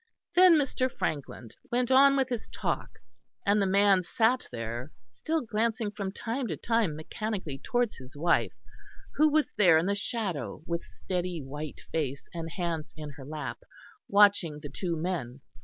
Then Mr. Frankland went on with his talk; and the man sat there, still glancing from time to time mechanically towards his wife, who was there in the shadow with steady white face and hands in her lap, watching the two men.